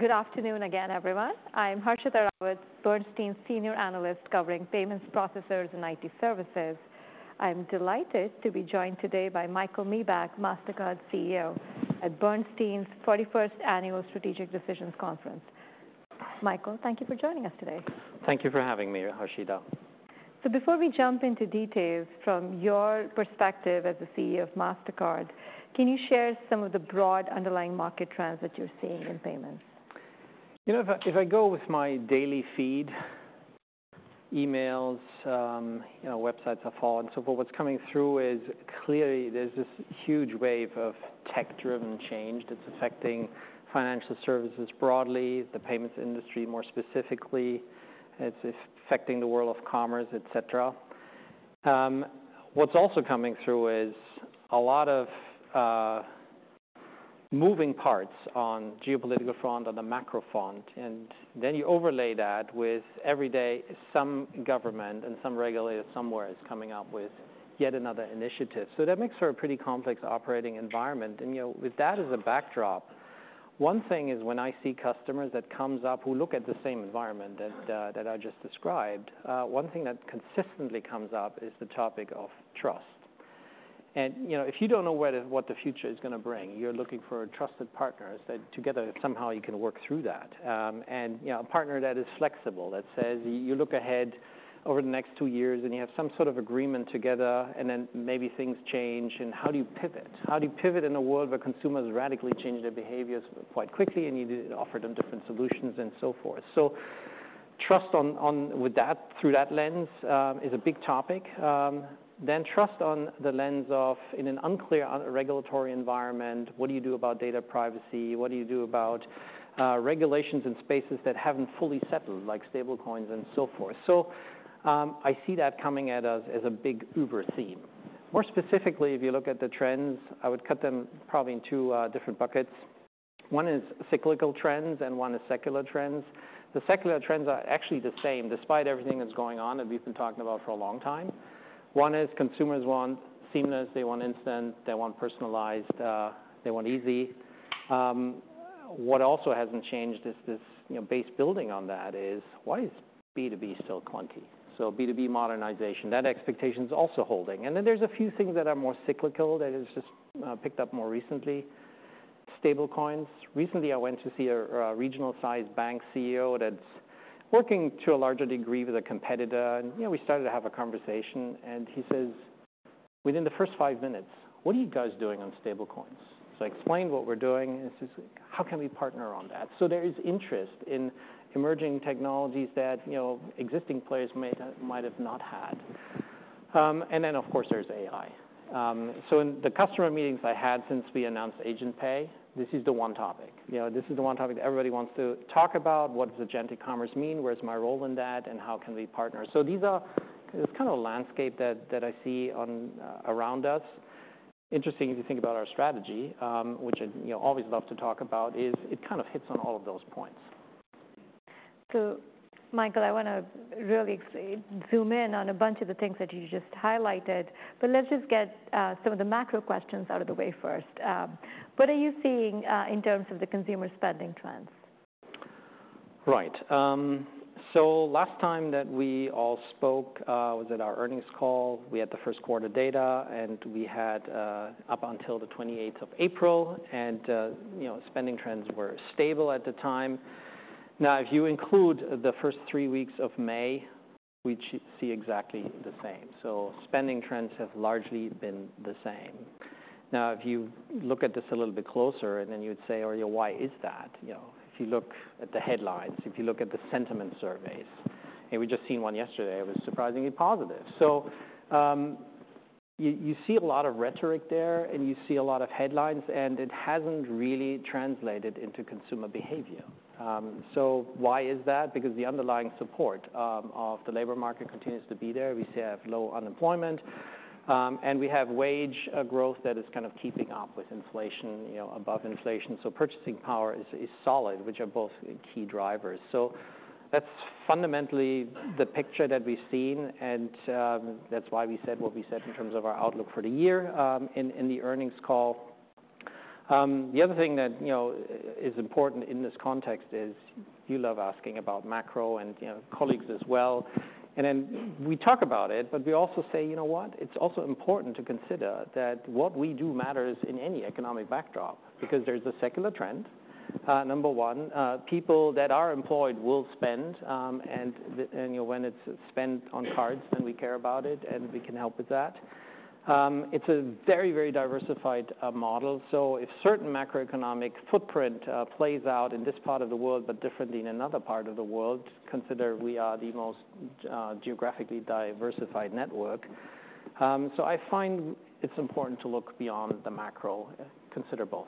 Good afternoon again, everyone. I'm Harshita Rawat, Bernstein's senior analyst covering payments processors and IT services. I'm delighted to be joined today by Michael Miebach, Mastercard CEO, at Bernstein's 41st Annual Strategic Decisions Conference. Michael, thank you for joining us today. Thank you for having me, Harshita. Before we jump into details, from your perspective as the CEO of Mastercard, can you share some of the broad underlying market trends that you're seeing in payments? You know, if I go with my daily feed, emails, websites are falling, so forth, what's coming through is clearly there's this huge wave of tech-driven change that's affecting financial services broadly, the payments industry more specifically. It's affecting the world of commerce, et cetera. What's also coming through is a lot of moving parts on the geopolitical front, on the macro front, and you overlay that with every day some government and some regulator somewhere is coming up with yet another initiative. That makes for a pretty complex operating environment. With that as a backdrop, one thing is when I see customers that come up who look at the same environment that I just described, one thing that consistently comes up is the topic of trust. If you do not know what the future is going to bring, you are looking for trusted partners that together somehow you can work through that. A partner that is flexible, that says you look ahead over the next two years and you have some sort of agreement together, and then maybe things change, and how do you pivot? How do you pivot in a world where consumers radically change their behaviors quite quickly and you offer them different solutions and so forth? Trust through that lens is a big topic. Trust on the lens of, in an unclear regulatory environment, what do you do about data privacy? What do you do about regulations in spaces that have not fully settled, like stablecoins and so forth? I see that coming at us as a big über-theme. More specifically, if you look at the trends, I would cut them probably in two different buckets. One is cyclical trends and one is secular trends. The secular trends are actually the same, despite everything that's going on that we've been talking about for a long time. One is consumers want seamless, they want instant, they want personalized, they want easy. What also hasn't changed is this base building on that is, why is B2B still clunky? So B2B modernization, that expectation is also holding. There are a few things that are more cyclical that have just picked up more recently. Stablecoins. Recently, I went to see a regional-sized bank CEO that's working to a larger degree with a competitor, and we started to have a conversation, and he says, within the first five minutes, what are you guys doing on stablecoins? I explained what we're doing, and he says, how can we partner on that? There is interest in emerging technologies that existing players might have not had. Of course, there's AI. In the customer meetings I had since we announced Agent Pay, this is the one topic. This is the one topic that everybody wants to talk about. What does agentic commerce mean? Where's my role in that? How can we partner? This kind of landscape that I see around us, interesting if you think about our strategy, which I always love to talk about, is it kind of hits on all of those points. Michael, I want to really zoom in on a bunch of the things that you just highlighted, but let's just get some of the macro questions out of the way first. What are you seeing in terms of the consumer spending trends? Right. Last time that we all spoke, was it our earnings call? We had the first quarter data, and we had up until the 28th of April, and spending trends were stable at the time. Now, if you include the first three weeks of May, we see exactly the same. Spending trends have largely been the same. If you look at this a little bit closer, and then you would say, why is that? If you look at the headlines, if you look at the sentiment surveys, and we just saw one yesterday, it was surprisingly positive. You see a lot of rhetoric there, and you see a lot of headlines, and it has not really translated into consumer behavior. Why is that? Because the underlying support of the labor market continues to be there. We have low unemployment, and we have wage growth that is kind of keeping up with inflation, above inflation. Purchasing power is solid, which are both key drivers. That is fundamentally the picture that we've seen, and that's why we said what we said in terms of our outlook for the year in the earnings call. The other thing that is important in this context is you love asking about macro and colleagues as well. We talk about it, but we also say, you know what? It's also important to consider that what we do matters in any economic backdrop, because there's a secular trend, number one. People that are employed will spend, and when it's spent on cards, then we care about it, and we can help with that. It's a very, very diversified model. If certain macroeconomic footprint plays out in this part of the world, but differently in another part of the world, consider we are the most geographically diversified network. I find it's important to look beyond the macro, consider both.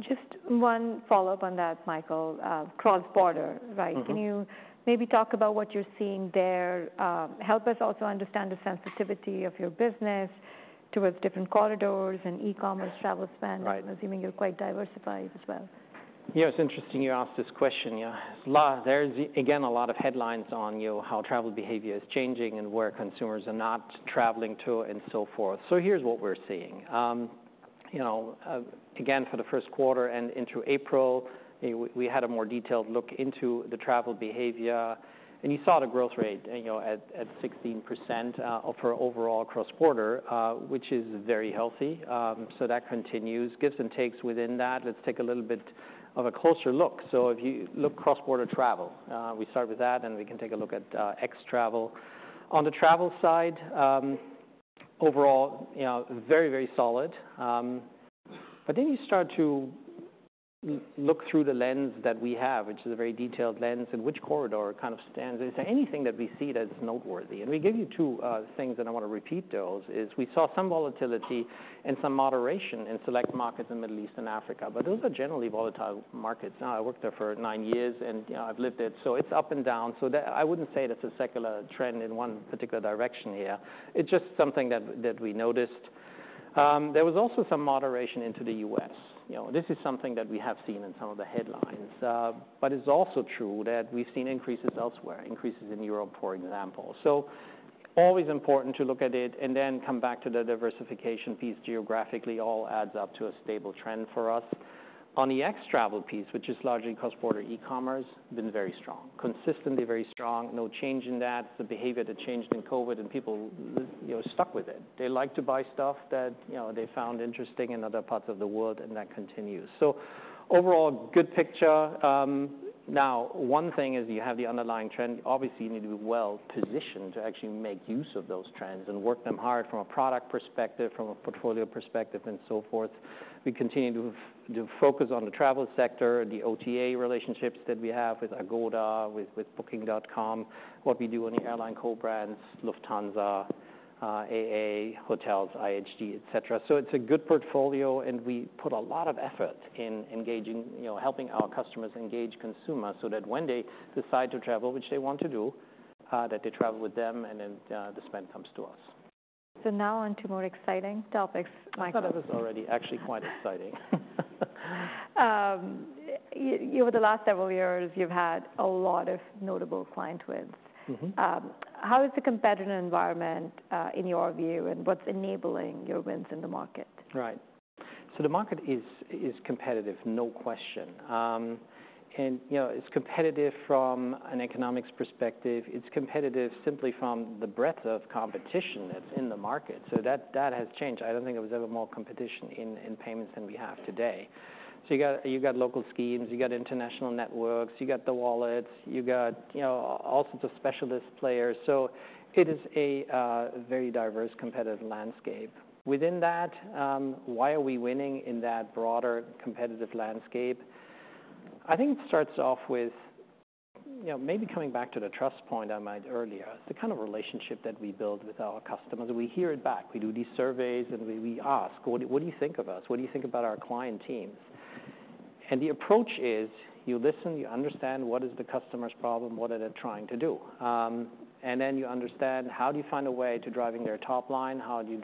Just one follow-up on that, Michael, cross-border, right? Can you maybe talk about what you're seeing there? Help us also understand the sensitivity of your business towards different corridors and e-commerce travel spend, assuming you're quite diversified as well. Yeah, it's interesting you asked this question. There is, again, a lot of headlines on how travel behavior is changing and where consumers are not traveling to and so forth. Here's what we're seeing. Again, for the first quarter and into April, we had a more detailed look into the travel behavior, and you saw the growth rate at 16% for overall cross-border, which is very healthy. That continues. Gifts and takes within that, let's take a little bit of a closer look. If you look cross-border travel, we start with that, and we can take a look at X travel. On the travel side, overall, very, very solid. You start to look through the lens that we have, which is a very detailed lens, and which corridor kind of stands, is there anything that we see that's noteworthy? We give you two things, and I want to repeat those, is we saw some volatility and some moderation in select markets in the Middle East and Africa, but those are generally volatile markets. I worked there for nine years, and I've lived it, so it's up and down. I wouldn't say that's a secular trend in one particular direction here. It's just something that we noticed. There was also some moderation into the U.S. This is something that we have seen in some of the headlines, but it's also true that we've seen increases elsewhere, increases in Europe, for example. Always important to look at it and then come back to the diversification piece. Geographically, all adds up to a stable trend for us. On the X travel piece, which is largely cross-border e-commerce, been very strong, consistently very strong, no change in that. The behavior that changed in COVID, and people stuck with it. They like to buy stuff that they found interesting in other parts of the world, and that continues. Overall, good picture. Now, one thing is you have the underlying trend. Obviously, you need to be well positioned to actually make use of those trends and work them hard from a product perspective, from a portfolio perspective, and so forth. We continue to focus on the travel sector, the OTA relationships that we have with Agoda, with Booking.com, what we do on the airline co-brands, Lufthansa, AA, hotels, IHG, et cetera. It is a good portfolio, and we put a lot of effort in helping our customers engage consumers so that when they decide to travel, which they want to do, that they travel with them and then the spend comes to us. Now on to more exciting topics, Michael. I thought it was already actually quite exciting. Over the last several years, you've had a lot of notable client wins. How is the competitive environment in your view, and what's enabling your wins in the market? Right. The market is competitive, no question. It is competitive from an economics perspective. It is competitive simply from the breadth of competition that is in the market. That has changed. I do not think there was ever more competition in payments than we have today. You have local schemes, you have international networks, you have the wallets, you have all sorts of specialist players. It is a very diverse competitive landscape. Within that, why are we winning in that broader competitive landscape? I think it starts off with maybe coming back to the trust point I made earlier. It is the kind of relationship that we build with our customers. We hear it back. We do these surveys, and we ask, what do you think of us? What do you think about our client teams? The approach is you listen, you understand what is the customer's problem, what are they trying to do? You understand how do you find a way to drive their top line, how do you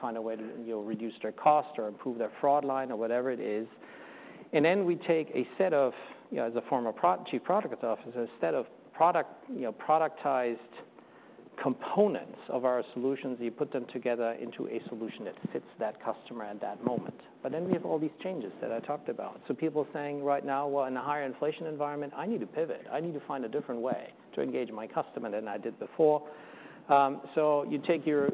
find a way to reduce their cost or improve their fraud line or whatever it is. We take a set of, as a former Chief Product Officer, a set of productized components of our solutions, you put them together into a solution that fits that customer at that moment. We have all these changes that I talked about. People are saying right now, in a higher inflation environment, I need to pivot. I need to find a different way to engage my customer than I did before. You take your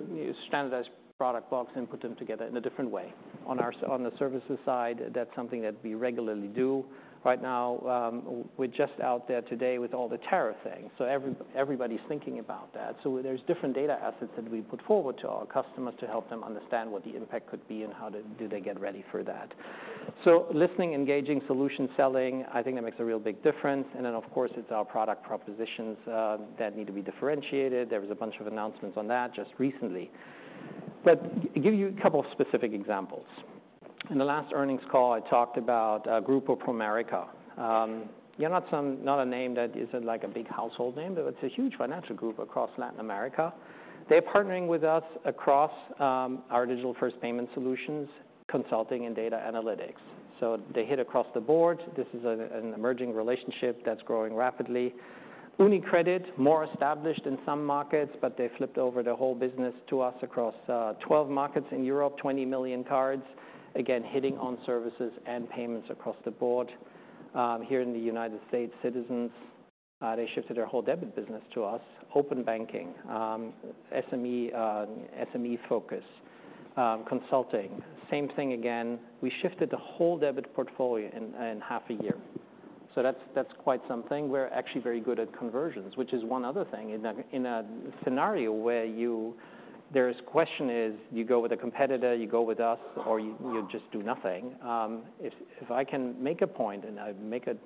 standardized product blocks and put them together in a different way. On the services side, that's something that we regularly do. Right now, we're just out there today with all the tariff things. Everybody's thinking about that. There are different data assets that we put forward to our customers to help them understand what the impact could be and how do they get ready for that. Listening, engaging, solution selling, I think that makes a real big difference. Of course, it's our product propositions that need to be differentiated. There was a bunch of announcements on that just recently. I'll give you a couple of specific examples. In the last earnings call, I talked about a group of Promerica. Not a name that is like a big household name, but it's a huge financial group across Latin America. They're partnering with us across our digital-first payment solutions, consulting, and data analytics. They hit across the board. This is an emerging relationship that's growing rapidly. UniCredit, more established in some markets, but they flipped over their whole business to us across 12 markets in Europe, 20 million cards, again, hitting on services and payments across the board. Here in the U.S., Citizens, they shifted their whole debit business to us. Open banking, SME focus, consulting, same thing again. We shifted the whole debit portfolio in half a year. That's quite something. We're actually very good at conversions, which is one other thing. In a scenario where there's a question is, you go with a competitor, you go with us, or you just do nothing. If I can make a point, and I make a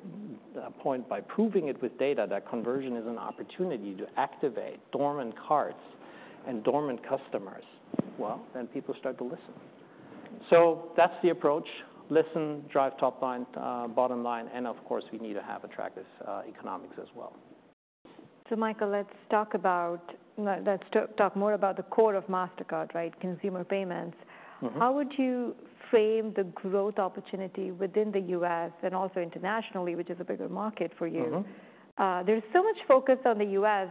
point by proving it with data, that conversion is an opportunity to activate dormant cards and dormant customers, then people start to listen. That's the approach. Listen, drive top line, bottom line, and of course, we need to have attractive economics as well. Michael, let's talk more about the core of Mastercard, right? Consumer payments. How would you frame the growth opportunity within the U.S. and also internationally, which is a bigger market for you? There's so much focus on the U.S.,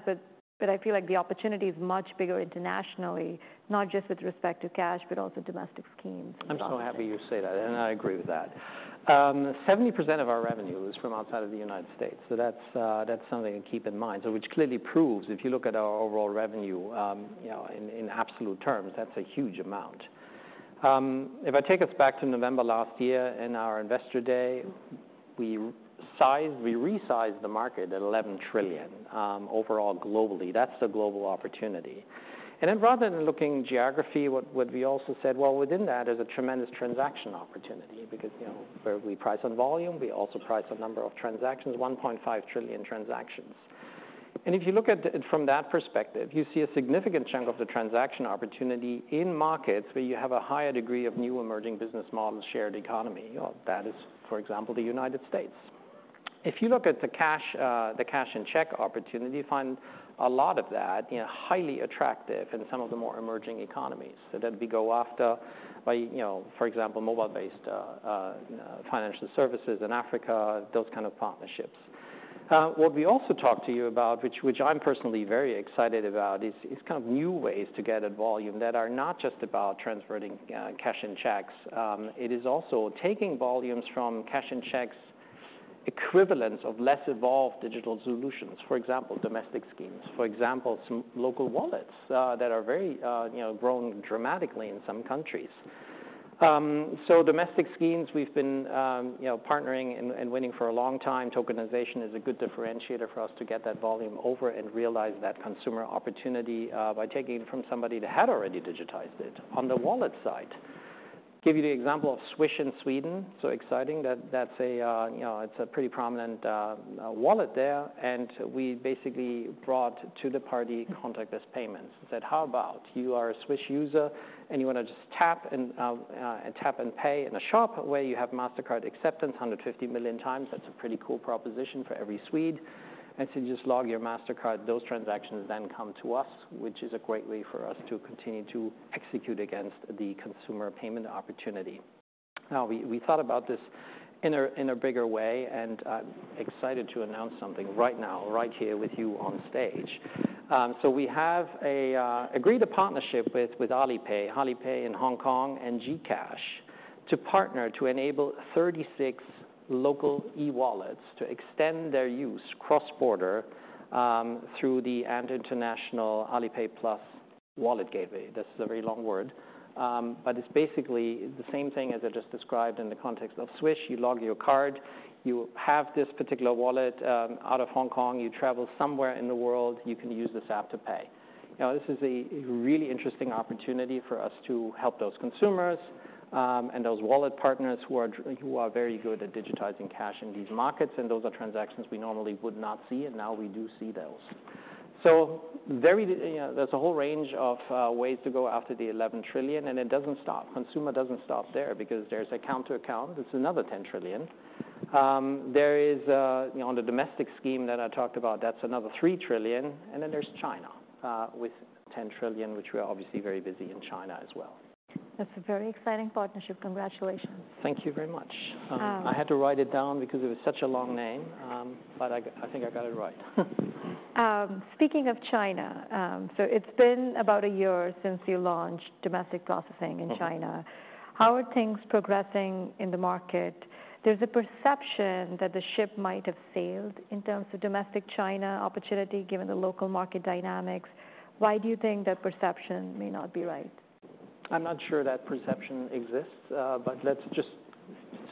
but I feel like the opportunity is much bigger internationally, not just with respect to cash, but also domestic schemes. I'm so happy you say that, and I agree with that. 70% of our revenue is from outside of the U.S. That's something to keep in mind, which clearly proves if you look at our overall revenue in absolute terms, that's a huge amount. If I take us back to November last year in our investor day, we resized the market at $11 trillion overall globally. That's the global opportunity. Rather than looking geography, what we also said, within that is a tremendous transaction opportunity because we price on volume, we also price on number of transactions, 1.5 trillion transactions. If you look at it from that perspective, you see a significant chunk of the transaction opportunity in markets where you have a higher degree of new emerging business models, shared economy. That is, for example, the U.S. If you look at the cash and check opportunity, you find a lot of that highly attractive in some of the more emerging economies. That we go after, for example, mobile-based financial services in Africa, those kind of partnerships. What we also talk to you about, which I'm personally very excited about, is kind of new ways to get at volume that are not just about transferring cash and checks. It is also taking volumes from cash and check equivalents of less evolved digital solutions, for example, domestic schemes, for example, some local wallets that are growing dramatically in some countries. Domestic schemes, we've been partnering and winning for a long time. Tokenization is a good differentiator for us to get that volume over and realize that consumer opportunity by taking it from somebody that had already digitized it. On the wallet side, I'll give you the example of Swish in Sweden. It is so exciting that it's a pretty prominent wallet there. We basically brought to the party contactless payments. We said, how about you are a Swish user and you want to just tap and pay in a shop where you have Mastercard acceptance 150 million times, that's a pretty cool proposition for every Swede. You just log your Mastercard, those transactions then come to us, which is a great way for us to continue to execute against the consumer payment opportunity. We thought about this in a bigger way and excited to announce something right now, right here with you on stage. We have agreed a partnership with Alipay, Alipay in Hong Kong and GCash to partner to enable 36 local e-wallets to extend their use cross-border through the international Alipay Plus wallet gateway. This is a very long word, but it's basically the same thing as I just described in the context of Swish. You log your card, you have this particular wallet out of Hong Kong, you travel somewhere in the world, you can use this app to pay. This is a really interesting opportunity for us to help those consumers and those wallet partners who are very good at digitizing cash in these markets, and those are transactions we normally would not see, and now we do see those. There is a whole range of ways to go after the $11 trillion, and it does not stop. Consumer does not stop there because there is a counter account. It's another $10 trillion. There is, on the domestic scheme that I talked about, that's another $3 trillion, and then there's China with $10 trillion, which we are obviously very busy in China as well. That's a very exciting partnership. Congratulations. Thank you very much. I had to write it down because it was such a long name, but I think I got it right. Speaking of China, it's been about a year since you launched domestic processing in China. How are things progressing in the market? There's a perception that the ship might have sailed in terms of domestic China opportunity given the local market dynamics. Why do you think that perception may not be right? I'm not sure that perception exists, but let's just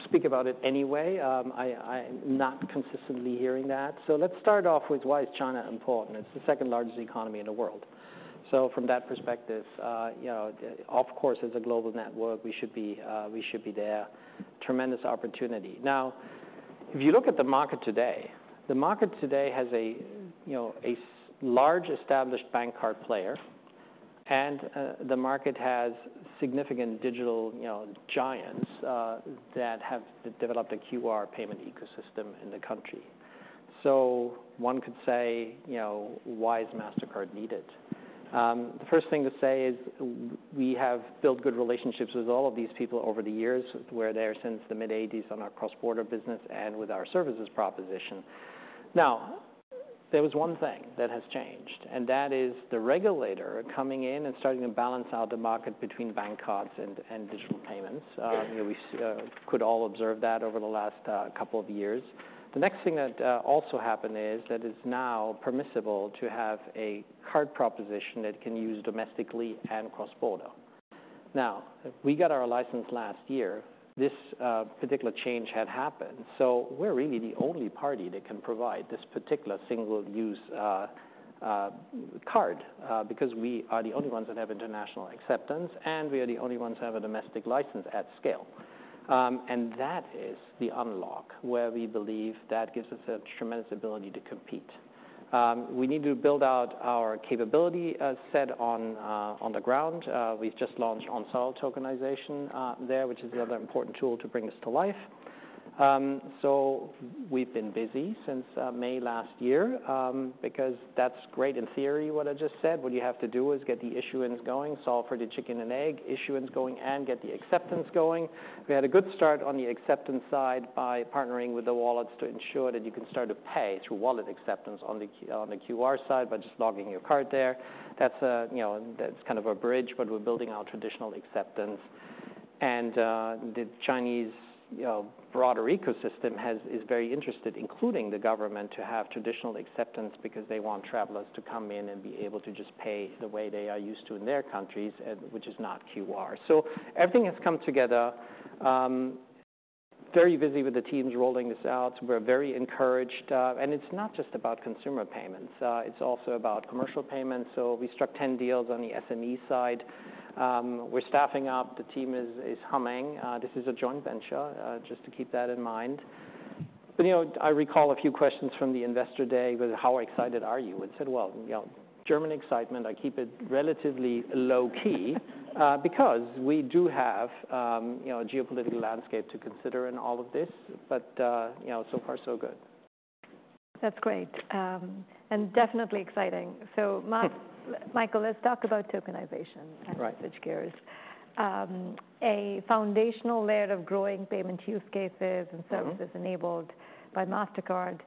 speak about it anyway. I'm not consistently hearing that. Let's start off with why is China important? It's the second largest economy in the world. From that perspective, of course, as a global network, we should be there. Tremendous opportunity. Now, if you look at the market today, the market today has a large established bank card player, and the market has significant digital giants that have developed a QR payment ecosystem in the country. One could say, why is Mastercard needed? The first thing to say is we have built good relationships with all of these people over the years where they are since the mid-1980s on our cross-border business and with our services proposition. Now, there was one thing that has changed, and that is the regulator coming in and starting to balance out the market between bank cards and digital payments. We could all observe that over the last couple of years. The next thing that also happened is that it's now permissible to have a card proposition that can use domestically and cross-border. Now, we got our license last year. This particular change had happened. We are really the only party that can provide this particular single-use card because we are the only ones that have international acceptance, and we are the only ones that have a domestic license at scale. That is the unlock where we believe that gives us a tremendous ability to compete. We need to build out our capability set on the ground. We've just launched on-site tokenization there, which is another important tool to bring this to life. We've been busy since May last year because that's great in theory what I just said. What you have to do is get the issuance going, solve for the chicken and egg issuance going, and get the acceptance going. We had a good start on the acceptance side by partnering with the wallets to ensure that you can start to pay through wallet acceptance on the QR side by just logging your card there. That's kind of a bridge, but we're building our traditional acceptance. The Chinese broader ecosystem is very interested, including the government, to have traditional acceptance because they want travelers to come in and be able to just pay the way they are used to in their countries, which is not QR. Everything has come together. Very busy with the teams rolling this out. We're very encouraged. It's not just about consumer payments. It's also about commercial payments. We struck 10 deals on the SME side. We're staffing up. The team is humming. This is a joint venture, just to keep that in mind. I recall a few questions from the investor day with, how excited are you? It said, well, German excitement. I keep it relatively low key because we do have a geopolitical landscape to consider in all of this, but so far, so good. That's great and definitely exciting. Michael, let's talk about tokenization and usage gears. A foundational layer of growing payment use cases and services enabled by Mastercard.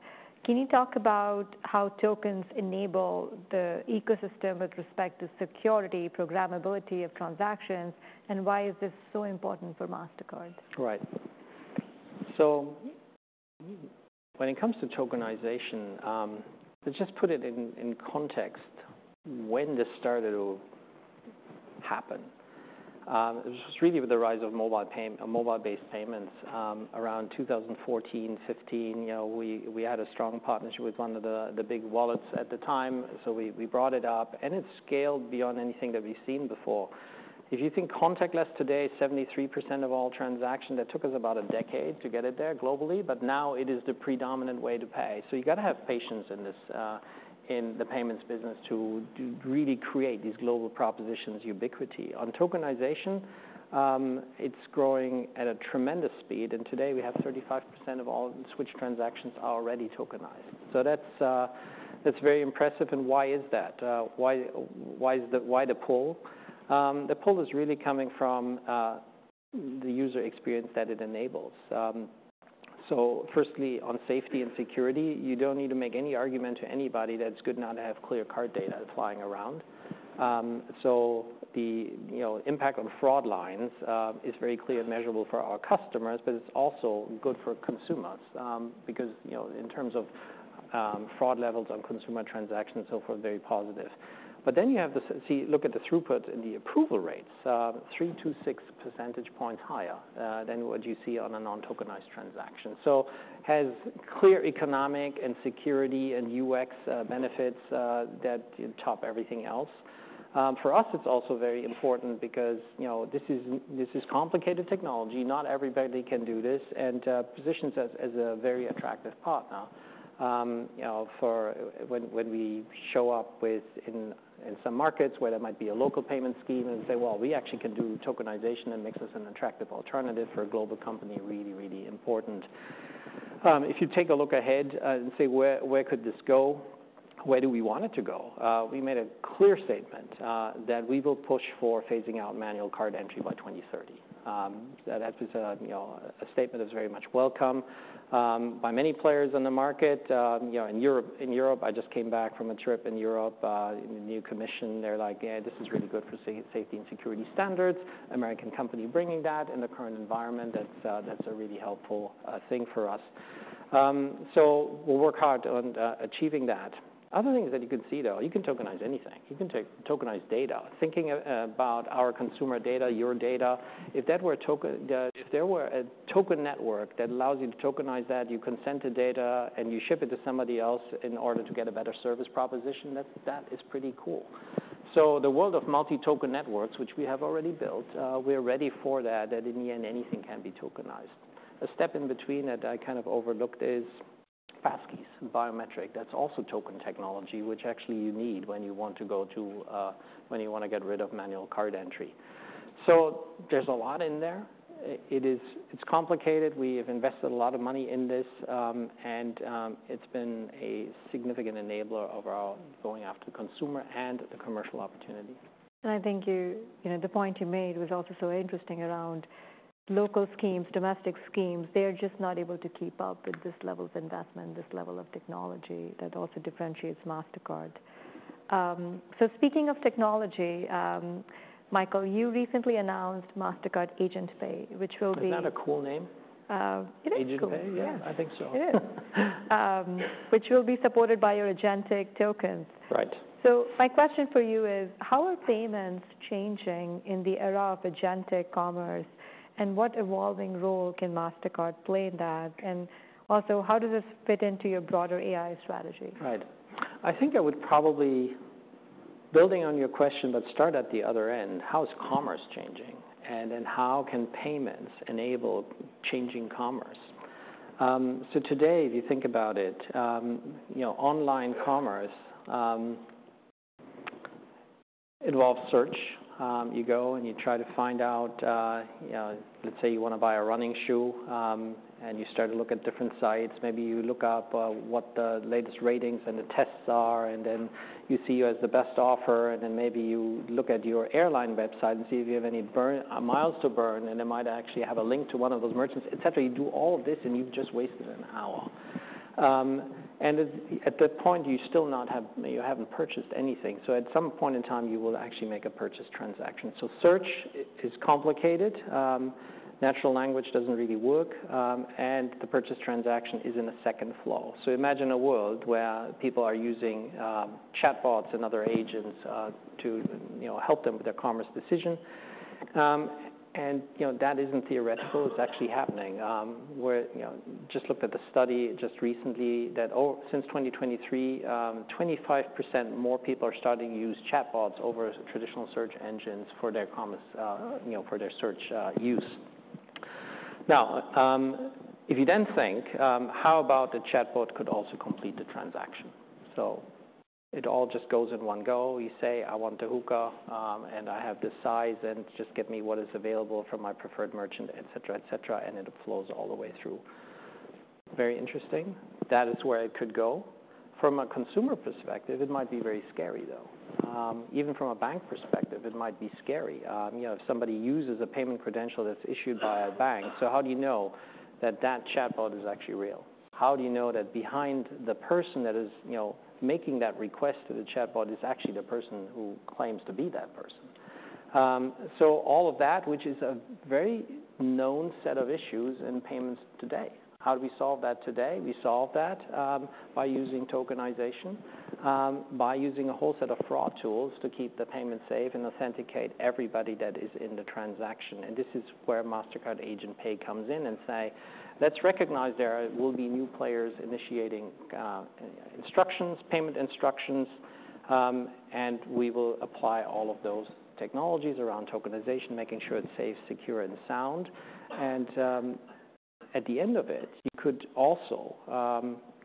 Can you talk about how tokens enable the ecosystem with respect to security, programmability of transactions, and why is this so important for Mastercard? Right. When it comes to tokenization, to just put it in context, when this started to happen, it was really with the rise of mobile-based payments around 2014, 2015. We had a strong partnership with one of the big wallets at the time, so we brought it up, and it scaled beyond anything that we've seen before. If you think contactless today, 73% of all transactions, that took us about a decade to get it there globally, but now it is the predominant way to pay. You have to have patience in the payments business to really create these global propositions ubiquity. On tokenization, it's growing at a tremendous speed. Today we have 35% of all Swish transactions already tokenized. That is very impressive. Why is that? Why the pull? The pull is really coming from the user experience that it enables. Firstly, on safety and security, you do not need to make any argument to anybody that it is good not to have clear card data flying around. The impact on fraud lines is very clear and measurable for our customers, but it is also good for consumers because in terms of fraud levels on consumer transactions, so far, very positive. You have to look at the throughput and the approval rates, 3-6 percentage points higher than what you see on a non-tokenized transaction. It has clear economic and security and UX benefits that top everything else. For us, it is also very important because this is complicated technology. Not everybody can do this and positions us as a very attractive partner when we show up in some markets where there might be a local payment scheme and say, well, we actually can do tokenization and make this an attractive alternative for a global company, really, really important. If you take a look ahead and say, where could this go? Where do we want it to go? We made a clear statement that we will push for phasing out manual card entry by 2030. That was a statement that was very much welcome by many players in the market. In Europe, I just came back from a trip in Europe in the new commission. They're like, yeah, this is really good for safety and security standards, American company bringing that in the current environment. That's a really helpful thing for us. We will work hard on achieving that. Other things that you can see, though, you can tokenize anything. You can tokenize data. Thinking about our consumer data, your data, if there were a token network that allows you to tokenize that, you consent to data and you ship it to somebody else in order to get a better service proposition, that is pretty cool. The world of multi-token networks, which we have already built, we are ready for that, that in the end, anything can be tokenized. A step in between that I kind of overlooked is Passkeys and Biometric. That is also token technology, which actually you need when you want to go to, when you want to get rid of manual card entry. There is a lot in there. It is complicated. We have invested a lot of money in this, and it has been a significant enabler of our going after consumer and the commercial opportunity. I think the point you made was also so interesting around local schemes, domestic schemes. They're just not able to keep up with this level of investment, this level of technology that also differentiates Mastercard. Speaking of technology, Michael, you recently announced Mastercard Agent Pay, which will be. Isn't that a cool name? Agent Pay, yeah, I think so. Which will be supported by your agentic tokens. Right. My question for you is, how are payments changing in the era of agentic commerce, and what evolving role can Mastercard play in that? Also, how does this fit into your broader AI strategy? Right. I think I would probably, building on your question, but start at the other end. How is commerce changing, and then how can payments enable changing commerce? Today, if you think about it, online commerce involves search. You go and you try to find out, let's say you want to buy a running shoe, and you start to look at different sites. Maybe you look up what the latest ratings and the tests are, and then you see who has the best offer, and maybe you look at your airline website and see if you have any miles to burn, and it might actually have a link to one of those merchants, et cetera. You do all of this, and you've just wasted an hour. At that point, you still have not purchased anything. At some point in time, you will actually make a purchase transaction. Search is complicated. Natural language does not really work, and the purchase transaction is in a second flow. Imagine a world where people are using chatbots and other agents to help them with their commerce decision. That is not theoretical. It is actually happening. I just looked at the study just recently that since 2023, 25% more people are starting to use chatbots over traditional search engines for their commerce, for their search use. Now, if you then think, how about the chatbot could also complete the transaction? It all just goes in one go. You say, I want the HOKA, and I have this size, and just get me what is available from my preferred merchant, et cetera, et cetera, and it flows all the way through. Very interesting. That is where it could go. From a consumer perspective, it might be very scary, though. Even from a bank perspective, it might be scary. If somebody uses a payment credential that's issued by a bank, how do you know that that chatbot is actually real? How do you know that behind the person that is making that request to the chatbot is actually the person who claims to be that person? All of that, which is a very known set of issues in payments today. How do we solve that today? We solve that by using tokenization, by using a whole set of fraud tools to keep the payment safe and authenticate everybody that is in the transaction. This is where Mastercard Agent Pay comes in and says, let's recognize there will be new players initiating instructions, payment instructions, and we will apply all of those technologies around tokenization, making sure it's safe, secure, and sound. At the end of it, you could also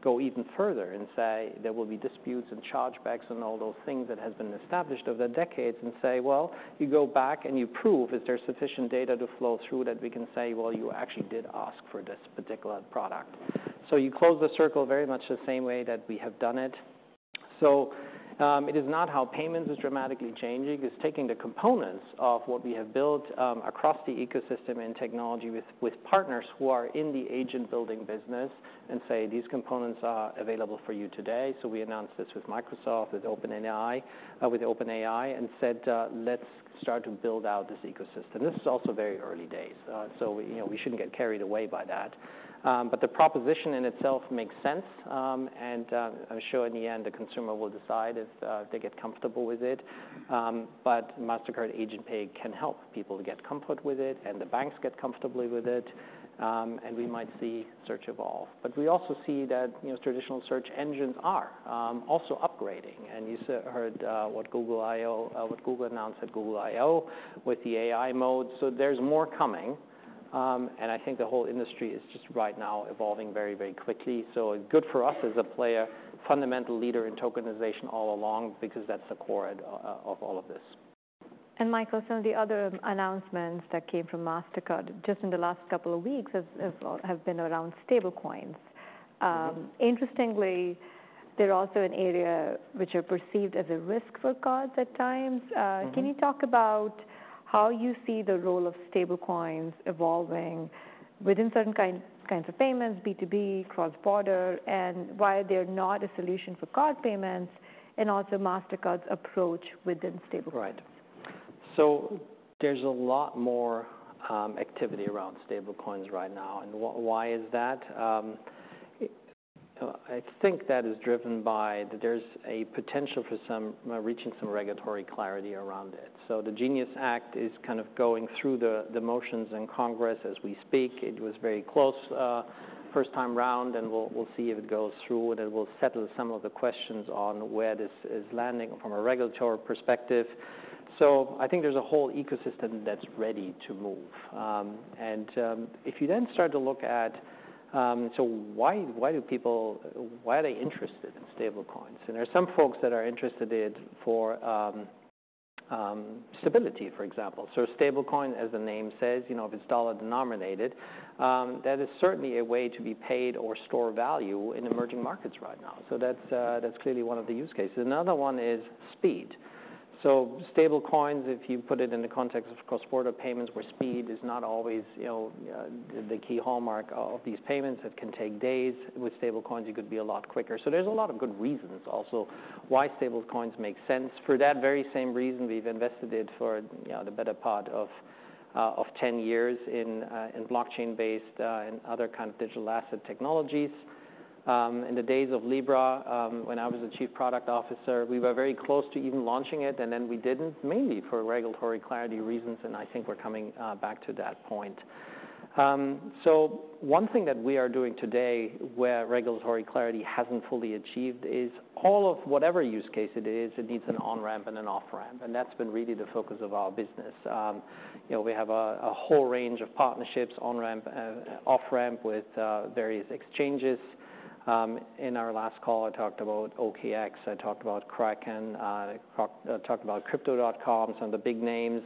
go even further and say, there will be disputes and chargebacks and all those things that have been established over the decades and say, you go back and you prove, is there sufficient data to flow through that we can say, you actually did ask for this particular product? You close the circle very much the same way that we have done it. It is not how payments is dramatically changing. It's taking the components of what we have built across the ecosystem and technology with partners who are in the agent building business and say, these components are available for you today. We announced this with Microsoft, with OpenAI, and said, let's start to build out this ecosystem. This is also very early days, so we shouldn't get carried away by that. The proposition in itself makes sense. I'm sure in the end, the consumer will decide if they get comfortable with it. Mastercard Agent Pay can help people get comfort with it, and the banks get comfortable with it, and we might see search evolve. We also see that traditional search engines are also upgrading. You heard what Google announced at Google I/O with the AI mode. There's more coming. I think the whole industry is just right now evolving very, very quickly. Good for us as a player, fundamental leader in tokenization all along because that's the core of all of this. Michael, some of the other announcements that came from Mastercard just in the last couple of weeks have been around stablecoins. Interestingly, they're also an area which are perceived as a risk for cards at times. Can you talk about how you see the role of stablecoins evolving within certain kinds of payments, B2B, cross-border, and why they're not a solution for card payments and also Mastercard's approach within stablecoins? Right. So there's a lot more activity around stablecoins right now. Why is that? I think that is driven by there's a potential for some reaching some regulatory clarity around it. The GENIUS Act is kind of going through the motions in Congress as we speak. It was very close, first time round, and we'll see if it goes through and it will settle some of the questions on where this is landing from a regulatory perspective. I think there's a whole ecosystem that's ready to move. If you then start to look at, why are they interested in stablecoins? There are some folks that are interested in it for stability, for example. Stablecoin, as the name says, if it's dollar denominated, that is certainly a way to be paid or store value in emerging markets right now. That's clearly one of the use cases. Another one is speed. Stablecoins, if you put it in the context of cross-border payments where speed is not always the key hallmark of these payments, it can take days. With stablecoins, it could be a lot quicker. There are a lot of good reasons also why stablecoins make sense. For that very same reason, we've invested in it for the better part of 10 years in blockchain-based and other kind of digital asset technologies. In the days of Libra, when I was the Chief Product Officer, we were very close to even launching it, and then we did not, mainly for regulatory clarity reasons, and I think we're coming back to that point. One thing that we are doing today where regulatory clarity hasn't fully achieved is all of whatever use case it is, it needs an on-ramp and an off-ramp. That's been really the focus of our business. We have a whole range of partnerships, on-ramp, off-ramp with various exchanges. In our last call, I talked about OKX. I talked about Kraken. I talked about Crypto.com, some of the big names.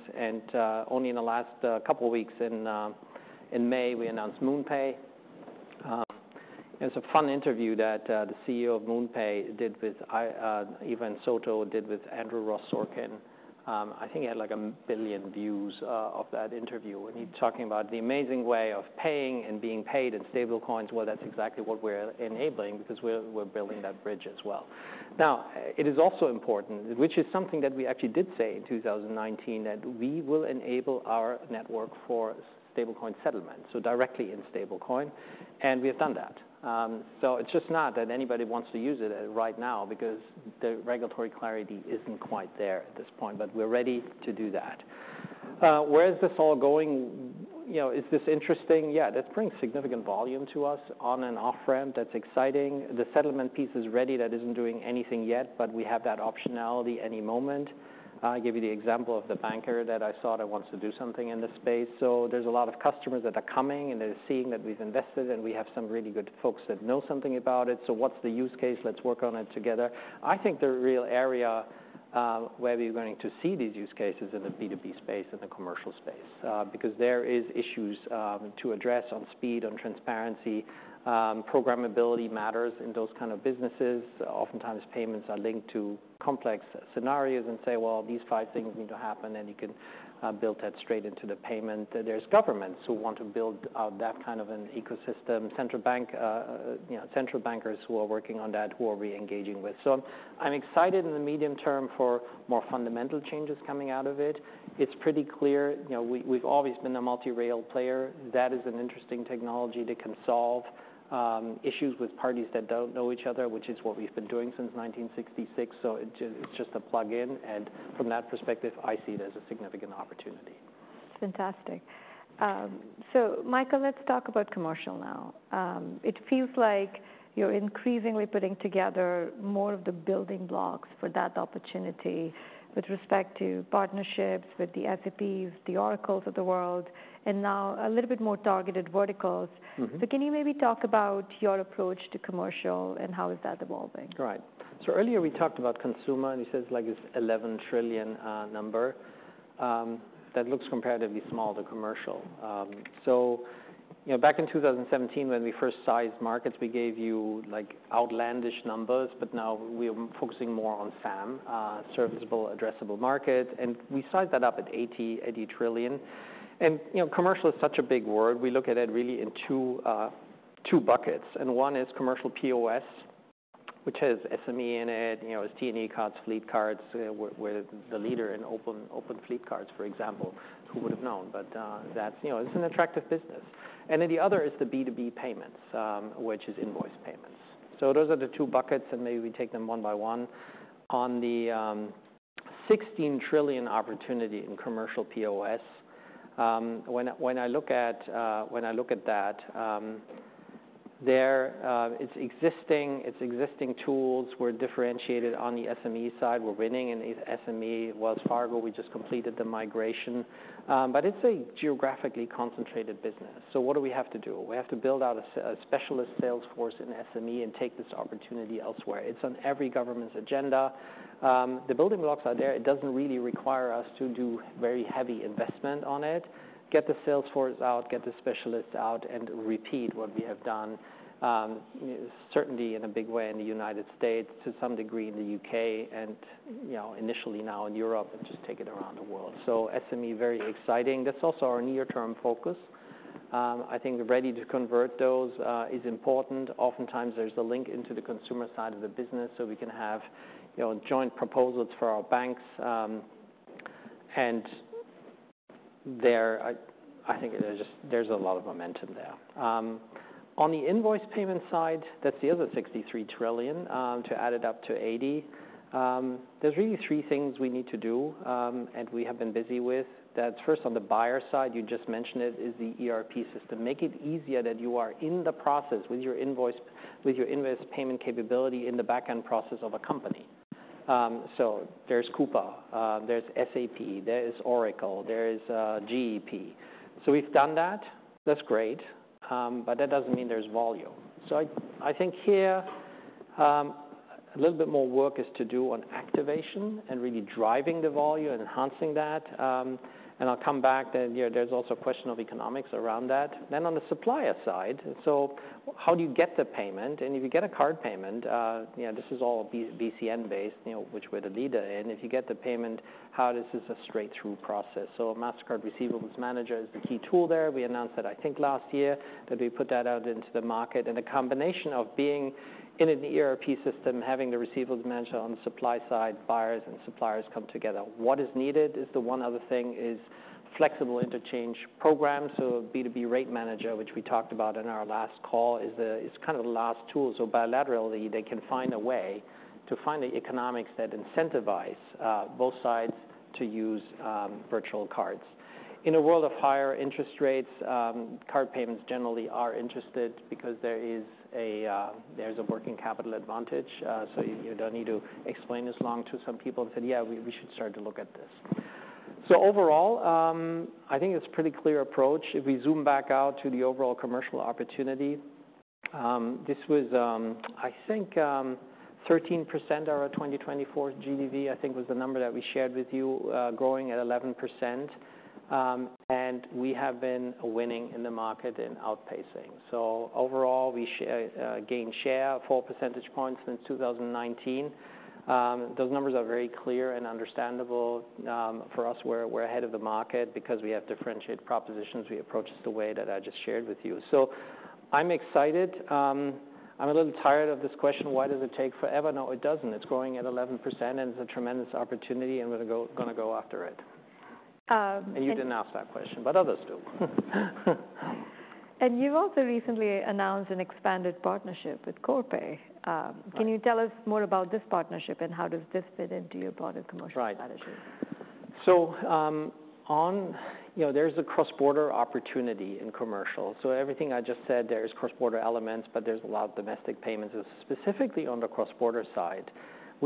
Only in the last couple of weeks, in May, we announced MoonPay. It was a fun interview that the CEO of MoonPay did with Ivan Soto, did with Andrew Ross Sorkin. I think he had like a million views of that interview. He's talking about the amazing way of paying and being paid in stablecoins. That's exactly what we're enabling because we're building that bridge as well. Now, it is also important, which is something that we actually did say in 2019, that we will enable our network for stablecoin settlement, so directly in stablecoin. And we have done that. It's just not that anybody wants to use it right now because the regulatory clarity isn't quite there at this point, but we're ready to do that. Where is this all going? Is this interesting? Yeah, that brings significant volume to us on an off-ramp. That's exciting. The settlement piece is ready. That isn't doing anything yet, but we have that optionality any moment. I'll give you the example of the banker that I saw that wants to do something in this space. So there's a lot of customers that are coming, and they're seeing that we've invested, and we have some really good folks that know something about it. So what's the use case? Let's work on it together. I think the real area where we're going to see these use cases is in the B2B space and the commercial space because there are issues to address on speed, on transparency. Programmability matters in those kind of businesses. Oftentimes, payments are linked to complex scenarios and say, well, these five things need to happen, and you can build that straight into the payment. There are governments who want to build out that kind of an ecosystem, central bankers who are working on that, who are we engaging with? I'm excited in the medium term for more fundamental changes coming out of it. It's pretty clear. We've always been a multi-rail player. That is an interesting technology that can solve issues with parties that don't know each other, which is what we've been doing since 1966. It's just a plug-in. From that perspective, I see it as a significant opportunity. That's fantastic. Michael, let's talk about commercial now. It feels like you're increasingly putting together more of the building blocks for that opportunity with respect to partnerships with the SAPs, the Oracles of the world, and now a little bit more targeted verticals. Can you maybe talk about your approach to commercial and how is that evolving? Right. Earlier we talked about consumer, and you said it's like this $11 trillion number. That looks comparatively small to commercial. Back in 2017, when we first sized markets, we gave you outlandish numbers, but now we're focusing more on SAM, serviceable, addressable market. We sized that up at $80 trillion. Commercial is such a big word. We look at it really in two buckets. One is commercial POS, which has SME in it, has T&E cards, fleet cards. We're the leader in open fleet cards, for example. Who would have known? It's an attractive business. The other is the B2B payments, which is invoice payments. Those are the two buckets, and maybe we take them one by one. On the $16 trillion opportunity in commercial POS, when I look at that, it's existing tools. We're differentiated on the SME side. We're winning in SME, Wells Fargo. We just completed the migration. It is a geographically concentrated business. What do we have to do? We have to build out a specialist sales force in SME and take this opportunity elsewhere. It's on every government's agenda. The building blocks are there. It does not really require us to do very heavy investment on it. Get the sales force out, get the specialists out, and repeat what we have done, certainly in a big way in the United States, to some degree in the U.K., and initially now in Europe, and just take it around the world. SME, very exciting. That is also our near-term focus. I think ready to convert those is important. Oftentimes, there is a link into the consumer side of the business so we can have joint proposals for our banks. I think there is a lot of momentum there. On the invoice payment side, that's the other $63 trillion to add it up to $80 trillion. There are really three things we need to do and we have been busy with. First, on the buyer side, you just mentioned it, is the ERP system. Make it easier that you are in the process with your invoice, with your invoice payment capability in the backend process of a company. There is Coupa, there is SAP, there is Oracle, there is GEP. We have done that. That's great. That does not mean there is volume. I think here a little bit more work is to do on activation and really driving the volume and enhancing that. I will come back that there is also a question of economics around that. On the supplier side, how do you get the payment? If you get a card payment, this is all BCN-based, which we're the leader in. If you get the payment, how this is a straight-through process. Mastercard Receivables Manager is the key tool there. We announced that, I think last year, that we put that out into the market. The combination of being in an ERP system, having the Receivables Manager on the supply side, buyers and suppliers come together. What is needed is the one other thing, flexible interchange programs. B2B Rate Manager, which we talked about in our last call, is kind of the last tool. Bilaterally, they can find a way to find the economics that incentivize both sides to use virtual cards. In a world of higher interest rates, card payments generally are interesting because there's a working capital advantage. You do not need to explain this long to some people and say, yeah, we should start to look at this. Overall, I think it is a pretty clear approach. If we zoom back out to the overall commercial opportunity, this was, I think, 13% of our 2024 GDV, I think was the number that we shared with you, growing at 11%. We have been winning in the market and outpacing. Overall, we gained share, four percentage points since 2019. Those numbers are very clear and understandable for us. We are ahead of the market because we have differentiated propositions. We approach this the way that I just shared with you. I am excited. I am a little tired of this question. Why does it take forever? No, it does not. It is growing at 11%, and it is a tremendous opportunity, and we are going to go after it. You did not ask that question, but others do. You have also recently announced an expanded partnership with Corpay. Can you tell us more about this partnership and how does this fit into your broader commercial strategy? Right. So there's a cross-border opportunity in commercial. Everything I just said, there are cross-border elements, but there's a lot of domestic payments specifically on the cross-border side.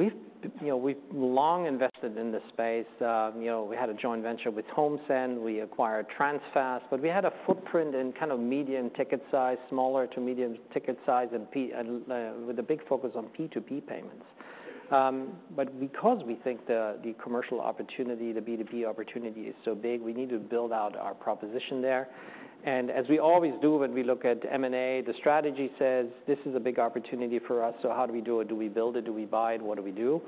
We've long invested in this space. We had a joint venture with Homesend. We acquired Transfast. We had a footprint in kind of medium ticket size, smaller to medium ticket size, with a big focus on P2P payments. Because we think the commercial opportunity, the B2B opportunity is so big, we need to build out our proposition there. As we always do when we look at M&A, the strategy says, this is a big opportunity for us. How do we do it? Do we build it? Do we buy it? What do we do?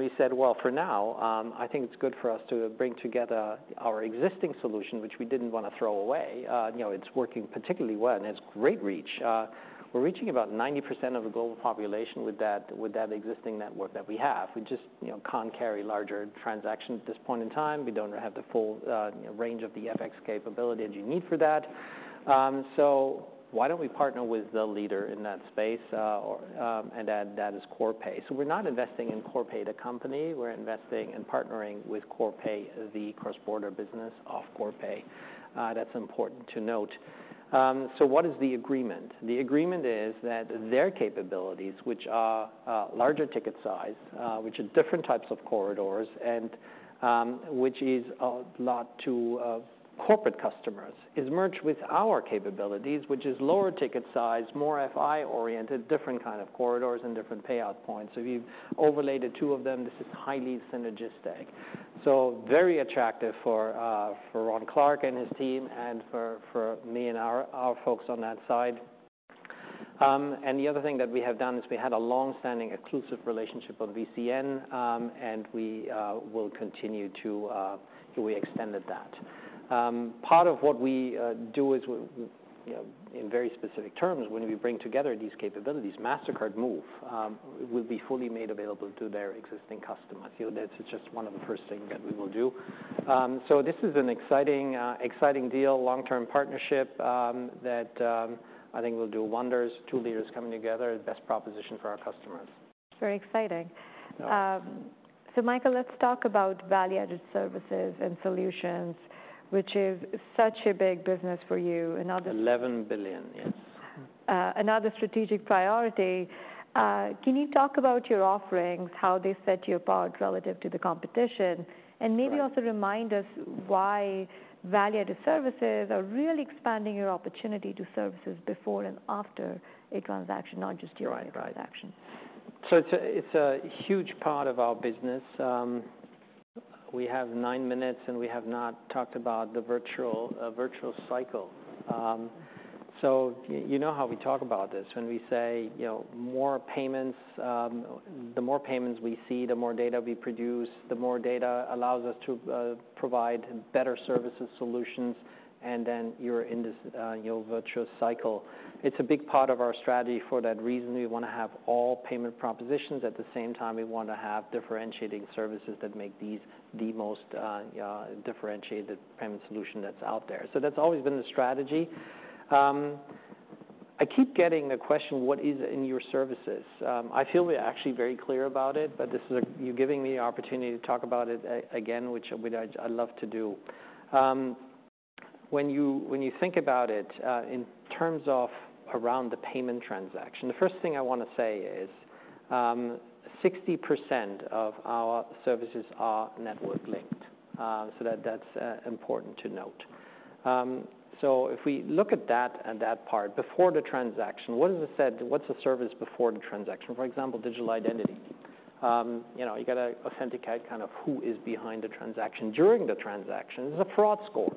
We said, for now, I think it's good for us to bring together our existing solution, which we didn't want to throw away. It's working particularly well. It has great reach. We're reaching about 90% of the global population with that existing network that we have. We just can't carry larger transactions at this point in time. We don't have the full range of the FX capability that you need for that. Why don't we partner with the leader in that space? That is Corpay. We're not investing in Corpay, the company. We're investing and partnering with Corpay, the cross-border business of Corpay. That's important to note. What is the agreement? The agreement is that their capabilities, which are larger ticket size, which are different types of corridors, and which is a lot to corporate customers, is merged with our capabilities, which is lower ticket size, more FI-oriented, different kind of corridors and different payout points. If you overlay the two of them, this is highly synergistic. Very attractive for Ron Clarke and his team and for me and our folks on that side. The other thing that we have done is we had a long-standing exclusive relationship on VCN, and we will continue to extend that. Part of what we do is, in very specific terms, when we bring together these capabilities, Mastercard Move will be fully made available to their existing customers. That is just one of the first things that we will do. This is an exciting deal, long-term partnership that I think will do wonders. Two leaders coming together, best proposition for our customers. Very exciting. Michael, let's talk about value-added services and solutions, which is such a big business for you. $11 billion, yes. Another strategic priority. Can you talk about your offerings, how they set you apart relative to the competition, and maybe also remind us why value-added services are really expanding your opportunity to services before and after a transaction, not just during a transaction? Right. So it's a huge part of our business. We have nine minutes, and we have not talked about the virtual cycle. You know how we talk about this when we say more payments. The more payments we see, the more data we produce, the more data allows us to provide better services, solutions, and then your virtual cycle. It's a big part of our strategy for that reason. We want to have all payment propositions. At the same time, we want to have differentiating services that make these the most differentiated payment solution that's out there. That's always been the strategy. I keep getting the question, what is in your services? I feel we're actually very clear about it, but you're giving me the opportunity to talk about it again, which I'd love to do. When you think about it in terms of around the payment transaction, the first thing I want to say is 60% of our services are network linked. That is important to note. If we look at that part before the transaction, what is a service before the transaction? For example, digital identity. You have got to authenticate kind of who is behind the transaction. During the transaction, there is a fraud score,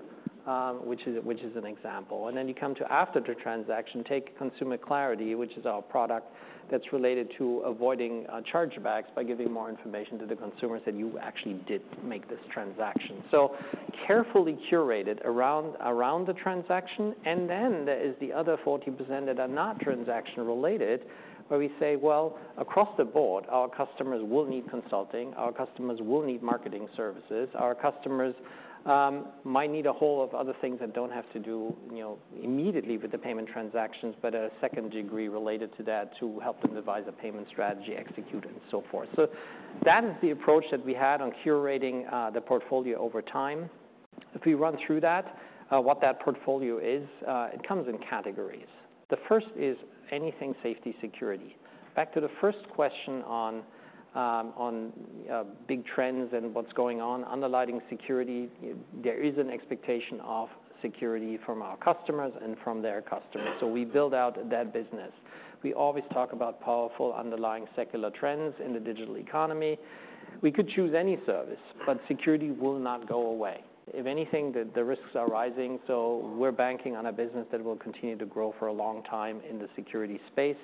which is an example. You come to after the transaction, take Consumer Clarity, which is our product that is related to avoiding chargebacks by giving more information to the consumers that you actually did make this transaction. Carefully curated around the transaction. There is the other 40% that are not transaction-related, where we say, across the board, our customers will need consulting. Our customers will need marketing services. Our customers might need a whole lot of other things that do not have to do immediately with the payment transactions, but a second degree related to that to help them devise a payment strategy, execute, and so forth. That is the approach that we had on curating the portfolio over time. If we run through that, what that portfolio is, it comes in categories. The first is anything safety security. Back to the first question on big trends and what is going on, underlining security, there is an expectation of security from our customers and from their customers. We build out that business. We always talk about powerful underlying secular trends in the digital economy. We could choose any service, but security will not go away. If anything, the risks are rising. We're banking on a business that will continue to grow for a long time in the security space.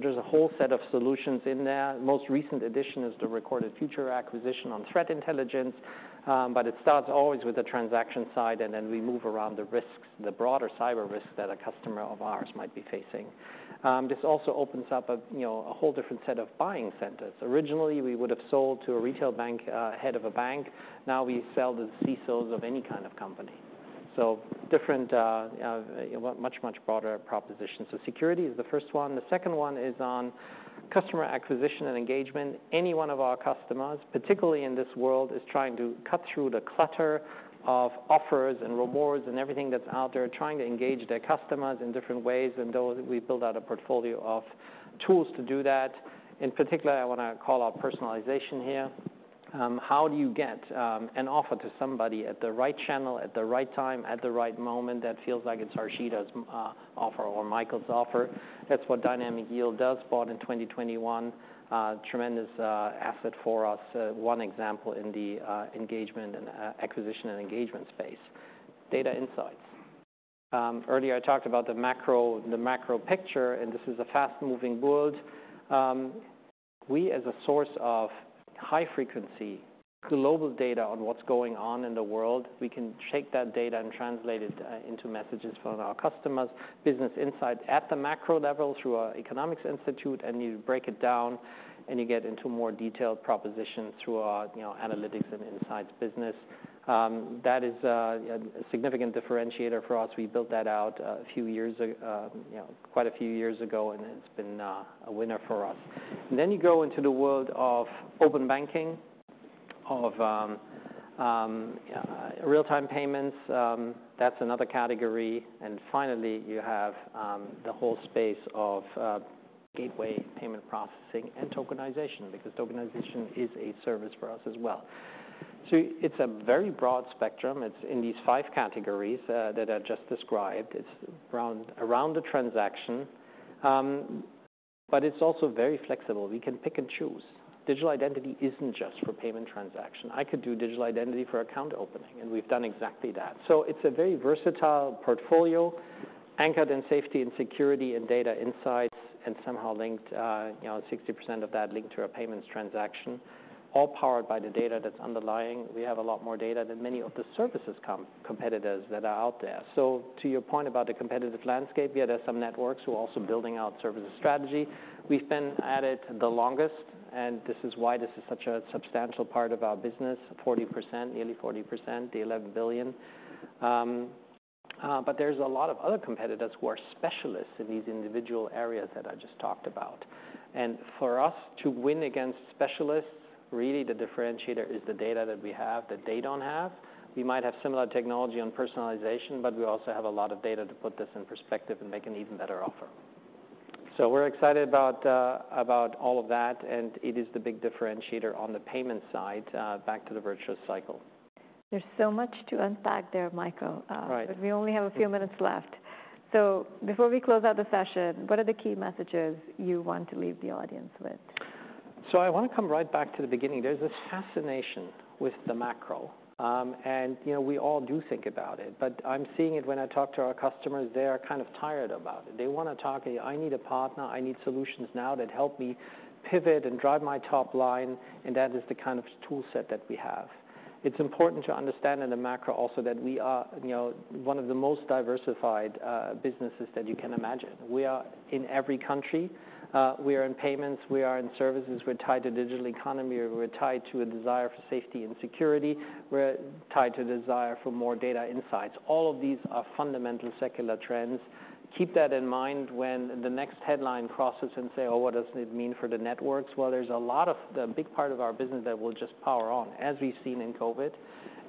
There's a whole set of solutions in there. Most recent addition is the Recorded Future acquisition on threat intelligence. It starts always with the transaction side, and then we move around the risks, the broader cyber risks that a customer of ours might be facing. This also opens up a whole different set of buying centers. Originally, we would have sold to a retail bank, head of a bank. Now we sell to the CISOs of any kind of company. Different, much, much broader proposition. Security is the first one. The second one is on customer acquisition and engagement. Any one of our customers, particularly in this world, is trying to cut through the clutter of offers and rewards and everything that's out there, trying to engage their customers in different ways. We build out a portfolio of tools to do that. In particular, I want to call out personalization here. How do you get an offer to somebody at the right channel, at the right time, at the right moment that feels like it's Harshita's offer or Michael's offer? That's what Dynamic Yield does. Bought in 2021, tremendous asset for us. One example in the engagement and acquisition and engagement space. Data insights. Earlier, I talked about the macro picture, and this is a fast-moving world. We, as a source of high-frequency global data on what's going on in the world, can take that data and translate it into messages for our customers, business insights at the macro level through our economics institute. You break it down, and you get into more detailed propositions through our analytics and insights business. That is a significant differentiator for us. We built that out quite a few years ago, and it's been a winner for us. You go into the world of open banking, of real-time payments. That is another category. Finally, you have the whole space of gateway payment processing and tokenization because tokenization is a service for us as well. It is a very broad spectrum. It is in these five categories that I just described. It is around the transaction, but it is also very flexible. We can pick and choose. Digital identity isn't just for payment transaction. I could do digital identity for account opening, and we've done exactly that. It is a very versatile portfolio anchored in safety and security and data insights and somehow linked, 60% of that linked to our payments transaction, all powered by the data that's underlying. We have a lot more data than many of the services competitors that are out there. To your point about the competitive landscape, yeah, there are some networks who are also building out services strategy. We've been at it the longest, and this is why this is such a substantial part of our business, 40%, nearly 40%, the $11 billion. There are a lot of other competitors who are specialists in these individual areas that I just talked about. For us to win against specialists, really the differentiator is the data that we have that they do not have. We might have similar technology on personalization, but we also have a lot of data to put this in perspective and make an even better offer. We are excited about all of that, and it is the big differentiator on the payment side, back to the virtual cycle. There's so much to unpack there, Michael, but we only have a few minutes left. Before we close out the session, what are the key messages you want to leave the audience with? I want to come right back to the beginning. There's this fascination with the macro. We all do think about it. I'm seeing it when I talk to our customers. They are kind of tired about it. They want to talk, "I need a partner. I need solutions now that help me pivot and drive my top line." That is the kind of toolset that we have. It's important to understand in the macro also that we are one of the most diversified businesses that you can imagine. We are in every country. We are in payments. We are in services. We're tied to the digital economy. We're tied to a desire for safety and security. We're tied to a desire for more data insights. All of these are fundamental secular trends. Keep that in mind when the next headline crosses and say, "Oh, what does it mean for the networks?" There is a big part of our business that will just power on, as we've seen in COVID,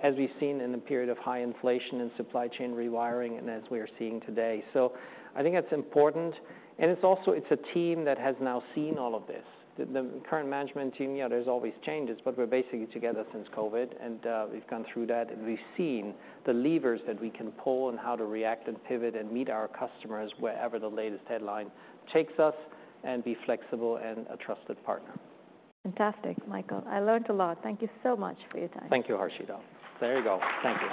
as we've seen in the period of high inflation and supply chain rewiring, and as we are seeing today. I think that's important. It is also a team that has now seen all of this. The current management team, yeah, there are always changes, but we're basically together since COVID. We've gone through that. We've seen the levers that we can pull and how to react and pivot and meet our customers wherever the latest headline takes us and be flexible and a trusted partner. Fantastic, Michael. I learned a lot. Thank you so much for your time. Thank you, Harshita. There you go. Thank you.